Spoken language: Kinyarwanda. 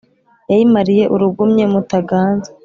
yayimariye urugumye mutaganzwa